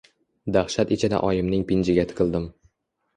Dahshat ichida oyimning pinjiga tiqildim.